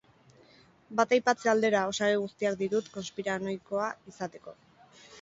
Bat aipatze aldera, osagai guztiak ditut konspiranoikoa izateko.